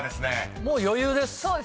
もう余裕です。